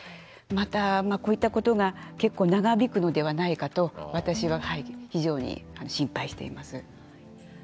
また、こういったことが結構、長引くのではないかと私は非常に心配しています。